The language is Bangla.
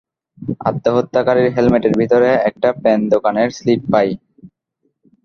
আত্মহত্যাকারীর হেলমেটের ভিতরে, একটা প্যান দোকানের স্লিপ পাই।